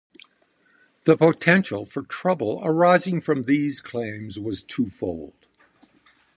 The potential for trouble arising from these claims was twofold.